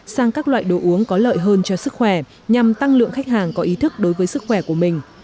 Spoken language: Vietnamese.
sang các loại đồ uống có lợi hơn cho sức khỏe nhằm tăng lượng khách hàng có ý thức đối với sức khỏe của mình